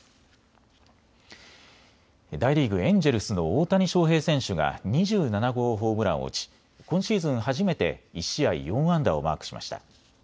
大リーグ、エンジェルスの大谷翔平選手が２７号ホームランを打ち今シーズン初めて１試合４安打をマークしました。